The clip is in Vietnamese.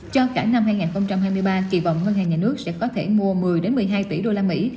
cho cả năm hai nghìn hai mươi ba kỳ vọng ngân hàng nhà nước sẽ có thể mua một mươi một mươi hai tỷ đô la mỹ